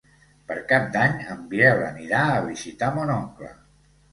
Per Cap d'Any en Biel anirà a visitar mon oncle.